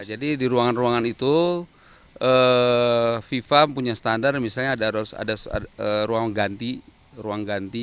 jadi di ruangan ruangan itu fifa punya standar misalnya ada ruang ganti